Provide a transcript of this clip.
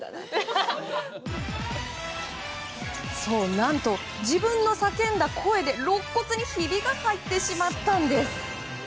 何と、自分の叫んだ声で肋骨にひびが入ってしまったんです。